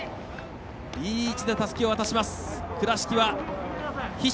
いい位置で、たすきを渡します。